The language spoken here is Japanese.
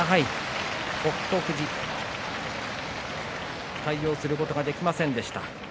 北勝富士、対応することができませんでした。